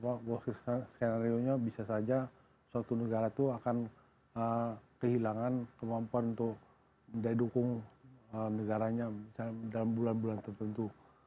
jadi saya lihat kalau worst case scenarionya bisa saja suatu negara itu akan kehilangan kemampuan untuk mendukung negaranya dalam bulan bulan tertentu